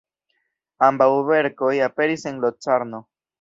Ambaŭ verkoj aperis en Locarno.